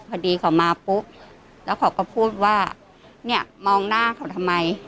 พอดีเขามาปุ๊บแล้วเขาก็พูดว่าเนี่ยมองหน้าเขาทำไม